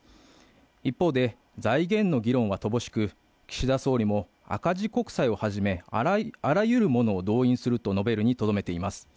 一方で、財源の議論は乏しく、岸田総理も赤字国債をはじめあらゆるものを動員すると述べるにとどめています。